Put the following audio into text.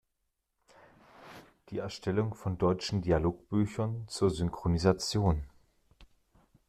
Erstellung von deutschen Dialogbüchern zur Synchronisation.